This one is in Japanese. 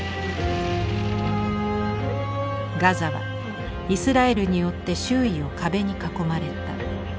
ガザはイスラエルによって周囲を壁に囲まれた。